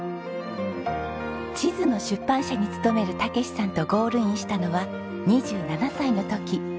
地図の出版社に勤める健さんとゴールインしたのは２７歳の時。